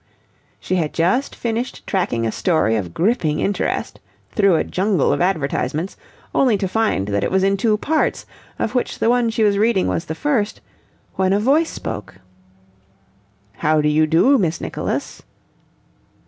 She had just finished tracking a story of gripping interest through a jungle of advertisements, only to find that it was in two parts, of which the one she was reading was the first, when a voice spoke. "How do you do, Miss Nicholas?"